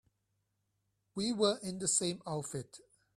We were in the same outfit.